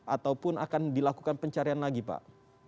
ataupun akan dilakukan pencarian lagi pak